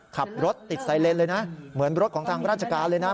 ขับรถติดไซเลนเลยนะเหมือนรถของทางราชการเลยนะ